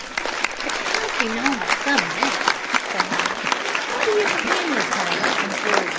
"But you must be known by some name," said I. "What do your companions call you?"